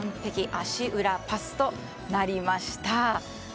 足裏パスとなりました。